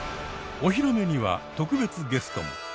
お披露目には特別ゲストも！